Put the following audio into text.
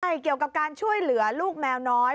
ใช่เกี่ยวกับการช่วยเหลือลูกแมวน้อย